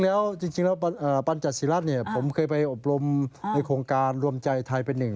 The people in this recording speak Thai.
ผมเคยพยายามไปพายนท์ในโครงการรวมใจไทยเป็นอึง